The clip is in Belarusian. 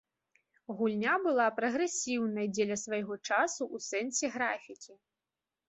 Гульня была прагрэсіўнай дзеля свайго часу ў сэнсе графікі.